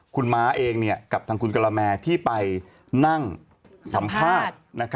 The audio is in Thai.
คุณม้าเองกับทางคุณกะละแมที่ไปนั่งสัมภาษณ์